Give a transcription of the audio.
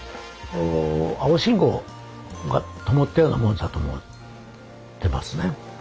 青信号がともったようなものだと思ってますね。